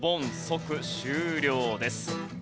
即終了です。